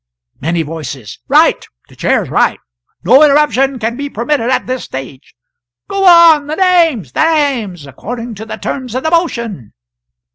Many voices. "Right! the Chair is right no interruption can be permitted at this stage! Go on! the names! the names! according to the terms of the motion!"